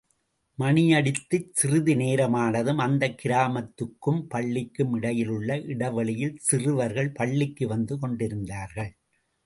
மணியடித்துச் சிறிது நேரமானதும் அந்தக் கிராமத்துக்கும் பள்ளிக்கும் இடையில் உள்ள இடைவெளியில் சிறுவர்கள் பள்ளிக்கு வந்து கொண்டிருந்தார்கள்.